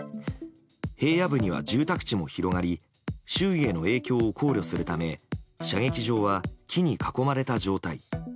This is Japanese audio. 平野部には住宅地も広がり周囲への影響も考慮するため射撃場は木に囲まれた状態。